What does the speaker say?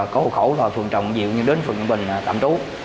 có hộ khẩu là phường trọng diệu nhưng đến phường yên bình tạm trú